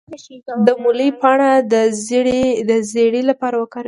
د مولی پاڼې د زیړي لپاره وکاروئ